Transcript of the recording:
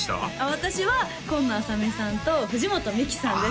私は紺野あさ美さんと藤本美貴さんです